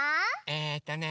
えっとね